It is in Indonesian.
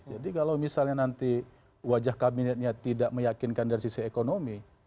jadi kalau misalnya nanti wajah kabinetnya tidak meyakinkan dari sisi ekonomi